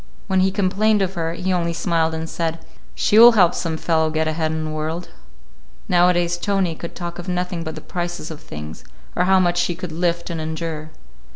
When we complained of her, he only smiled and said, "She will help some fellow get ahead in the world." Nowadays Tony could talk of nothing but the prices of things, or how much she could lift and endure.